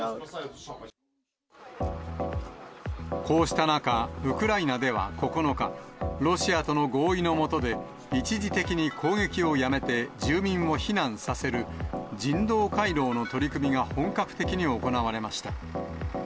こうした中、ウクライナでは９日、ロシアとの合意の下で、一時的に攻撃をやめて、住民を避難させる人道回廊の取り組みが本格的に行われました。